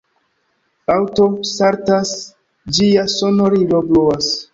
Aŭto saltas, ĝia sonorilo bruas